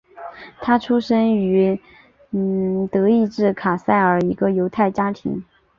他出生于德意志卡塞尔一个犹太家庭。